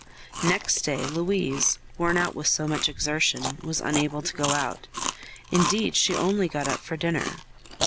Next day, Louise, worn out with so much exertion, was unable to go out; indeed, she only got up for dinner.